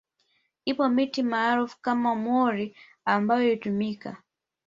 Ipo miti maarufu kama mwori ambayo ilitumika